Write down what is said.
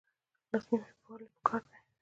لاس نیوی ولې پکار دی؟